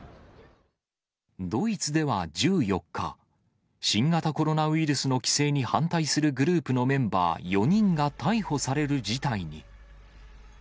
ドイツでは１４日、新型コロナウイルスの規制に反対するグループのメンバー４人が逮捕される事態に。